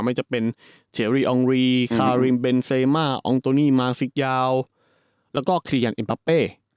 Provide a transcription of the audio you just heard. ไม่จะเป็นเฉรีอองรีคาริมเบนเซมาอองโตนี่มาซิกยาวแล้วก็คลียันเอ็มปาเป้